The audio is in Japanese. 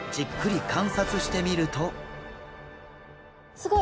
すごい。